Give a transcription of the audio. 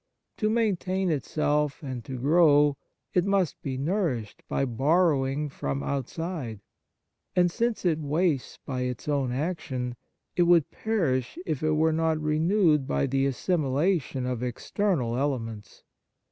To main tain itself and to grow, it must be nourished by borrowing from out side ; and, since it wastes by its own action, it would perish if it were not renewed by the assimilation of external elements.